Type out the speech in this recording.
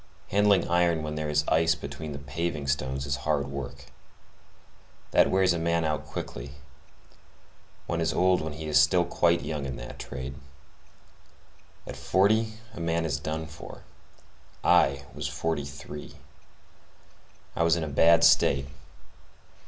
Handling iron when there is ice between the paving stones is hard work. That wears a man out quickly. One is old while he is still quite young in that trade. At forty a man is done for. I was fifty three. I was in a bad state.